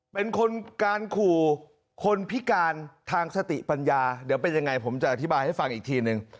เป็นคนการขู่คนพิการทางสติปัญญาเดี๋ยวเป็นยังไงผมจะอธิบายให้ฟังอีกทีนึง